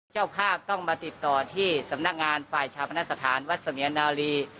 เจ้าภาพต้องมาติดต่อที่สำนักงานฝ่ายชาปนสถานวัดเสมียนาลี